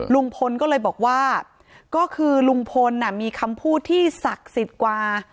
ลุงพลก็เลยบอกว่าก็คือลุงพลมีคำพูดที่ศักดิ์สิทธิ์กว่า